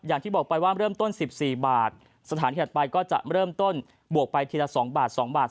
อย่างที่บอกไปว่าเริ่มต้น๑๔บาทสถานถัดไปก็จะเริ่มต้นบวกไปทีละ๒บาท๒บาท